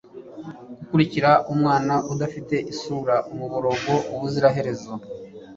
gukurikira umwana udafite isura-umuborogo ubuziraherezo